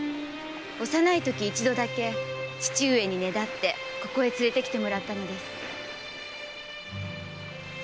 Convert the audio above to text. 幼いとき一度だけ父上にねだってここへ連れてきてもらったのです。